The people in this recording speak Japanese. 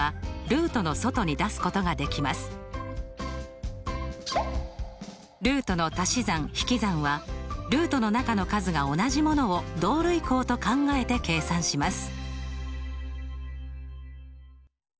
ルートのたし算引き算はルートの中の数が同じものを同類項と考えて計算します。